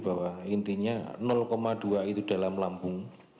bahwa intinya dua itu dalam lambung